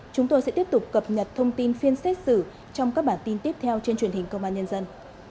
chúng tôi sẽ tiếp tục cập nhật thông tin phiên xét xử trong các bản tin tiếp theo trên truyền hình công an nhân dân